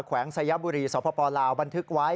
วงสยบุรีสปลาวบันทึกไว้